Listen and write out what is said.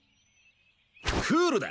クールだ！